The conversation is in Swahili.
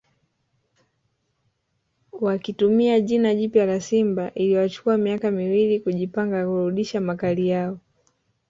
Wakitumia jina jipya la Simba iliwachukua miaka miwili kujipanga kurudisha makali yao